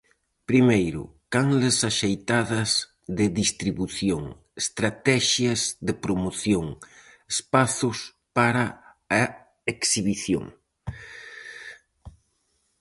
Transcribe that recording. Primeiro, canles axeitadas de distribución, estratexias de promoción, espazos para a exhibición...